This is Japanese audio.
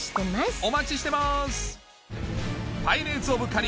お待ちしてます！